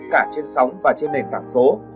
cả trên sóng và trên nền tảng số